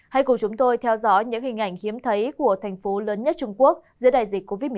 hãy cùng chúng tôi theo dõi những hình ảnh hiếm thấy của thành phố lớn nhất trung quốc giữa đại dịch covid một mươi chín